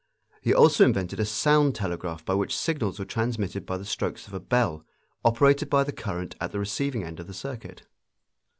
He also invented a sound telegraph by which signals were transmitted by the strokes of a bell operated by the current at the receiving end of the circuit.